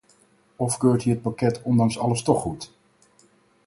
Of keurt u het pakket ondanks alles toch goed?